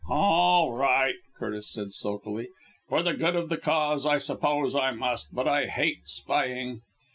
"All right," Curtis said sulkily, "for the good of the cause I suppose I must, but I hate spying."